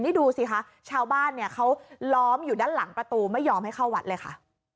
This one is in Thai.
นี่ดูสิคะชาวบ้านเนี่ยเขาล้อมอยู่ด้านหลังประตูไม่ยอมให้เข้าวัดเลยค่ะ